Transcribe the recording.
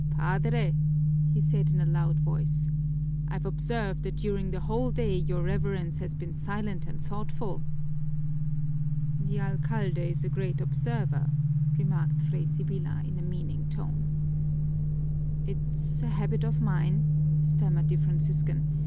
"Padre," he said in a loud voice, "I've observed that during the whole day your Reverence has been silent and thoughtful." "The alcalde is a great observer," remarked Fray Sibyla in a meaning tone. "It's a habit of mine," stammered the Franciscan.